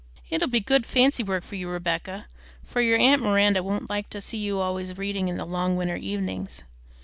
"It'll be good fancy work for you, Rebecca; for your aunt Miranda won't like to see you always reading in the long winter evenings.